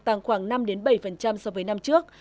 tăng khoảng năm bảy so với năm trước